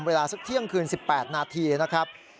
เวลาสักเที่ยงคืน๑๘นาทีนะครับ